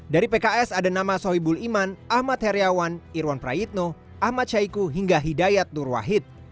dari pks ada nama sohibul iman ahmad heriawan irwan prayitno ahmad syahiku hingga hidayat nur wahid